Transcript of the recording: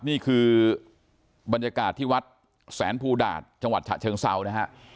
นี่คือบรรยากาศที่วัดแสนภูดาตจังหวัดฉะเชิงเซานะฮะ